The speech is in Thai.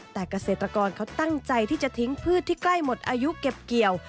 แต่เกษตรกรเขาตั้งใจที่จะทิ้งพืชที่ใกล้หมดอายุเก็บเกี่ยว